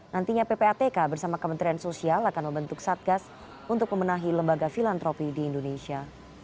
nantinya ppatk bersama kementerian sosial akan membentuk satgas untuk memenahi lembaga filantropi di indonesia